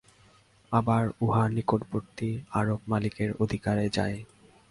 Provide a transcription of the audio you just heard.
আবার উহা নিকটবর্তী আরব-মালিকের অধিকারে যায়।